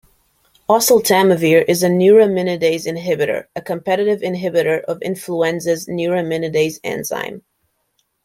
Oseltamivir is a neuraminidase inhibitor, a competitive inhibitor of influenza's neuraminidase enzyme.